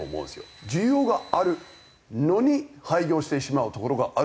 需要があるのに廃業してしまうところがある。